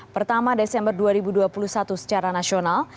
pertama desember dua ribu dua puluh satu secara nasional